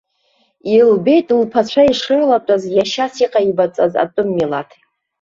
Илбеит лԥацәа ишрылатәаз иашьас иҟаибаҵаз атәым милаҭ.